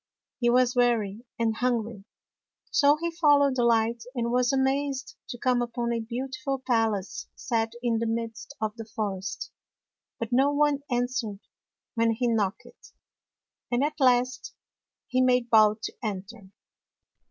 He was weary and hun gry, so he followed the light, and was amazed to come upon a beautiful palace set in the midst of the forest. But no one answered when he knocked, and at last he made bold to enter.